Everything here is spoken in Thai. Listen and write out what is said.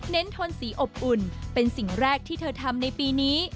ทนสีอบอุ่นเป็นสิ่งแรกที่เธอทำในปีนี้